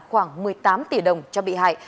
khoảng một mươi tám tỷ đồng cho bị hại